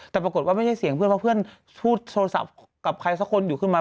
แต่ปรากฏว่าไม่ใช่เสียงเพื่อนเพราะเพื่อนพูดโทรศัพท์กับใครสักคนอยู่ขึ้นมา